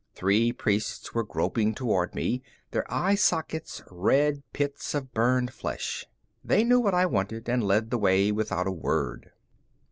Three priests were groping toward me, their eye sockets red pits of burned flesh. They knew what I wanted and led the way without a word.